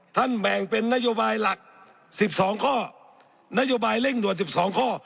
แบ่งเป็นนโยบายหลัก๑๒ข้อนโยบายเร่งด่วน๑๒ข้อ